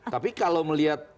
tapi kalau melihat